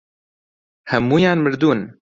هەموویان مردوون.